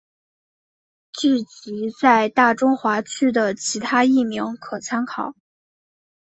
剧集在大中华区的其他译名可参考。